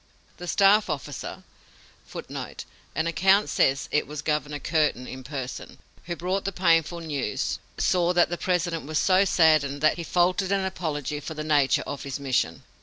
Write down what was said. The staff officer [Footnote: An account says it was Governor Curtin in person.] who brought the painful news saw that the President was so saddened that he faltered an apology for the nature of his mission.